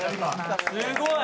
すごい！